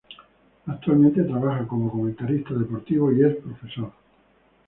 Actualmente trabaja como comentarista deportivo y es profesor.